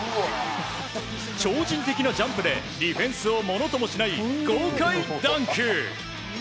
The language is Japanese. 超人的なジャンプでディフェンスをものともしない豪快ダンク！